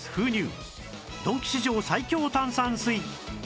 ドンキ史上最強炭酸水」